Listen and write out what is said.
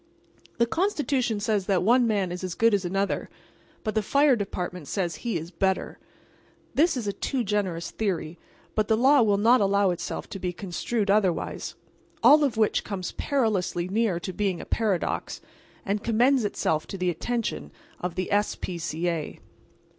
The Constitution says that one man is as good as another; but the Fire Department says he is better. This is a too generous theory, but the law will not allow itself to be construed otherwise. All of which comes perilously near to being a paradox, and commends itself to the attention of the S. P. C. A.